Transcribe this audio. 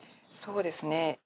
そうですね。